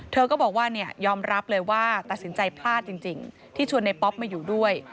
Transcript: เธอก็บอกว่ายอมรับเลยว่าตัดสินใจพลาดจริงที่ชวนในป๊อปมาอยู่ด้วย